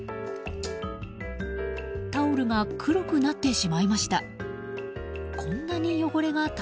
タオルが黒くなってしまいました。